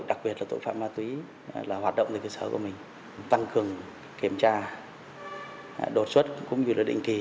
đặc biệt là tội phạm ma túy là hoạt động từ cơ sở của mình tăng cường kiểm tra đột xuất cũng như là định kỳ